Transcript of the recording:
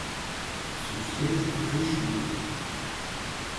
Son siège est Richmond.